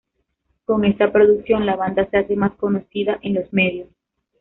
Con esta producción, la banda se hace más conocida en los medios.